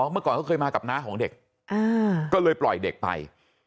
เมื่อก่อนเขาเคยมากับน้าของเด็กก็เลยปล่อยเด็กไป